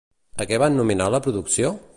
A què van nominar la producció?